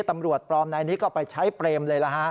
ตำรวจปลอมนายนี้ก็ไปใช้เปรมเลยล่ะฮะ